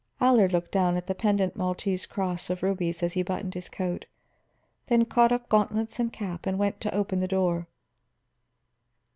Allard looked down at the pendant Maltese cross of rubies as he buttoned his coat, then caught up gauntlets and cap, and went to open the door.